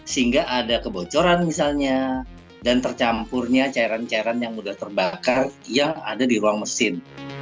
sehingga ada kebocoran misalnya dan tercampurnya cairan cairan yang sudah terbakar yang ada di ruang mesin